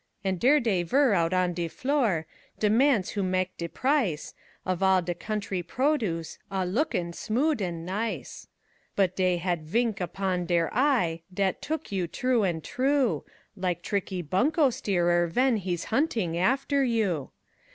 An' dere dey vere out on de floor, De mans who mak' de price Of all de country produce, A lookin' smood an' nice. But dey had vink opon dere eye Dat look you t'roo an' t'roo, Like tricky bunko steerer ven He's hunting after you.